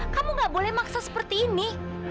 kamu gak boleh maksa seperti ini